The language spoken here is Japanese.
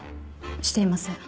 していません。